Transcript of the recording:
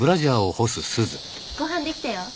ご飯できたよ。